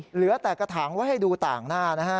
เหลือแต่กระถางไว้ให้ดูต่างหน้านะฮะ